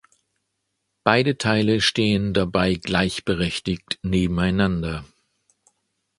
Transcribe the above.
Beide Teile stehen dabei gleichberechtigt nebeneinander.